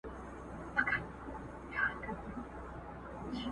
چي لاپي مو د تورو او جرګو ورته کولې.!